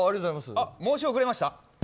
申し遅れました。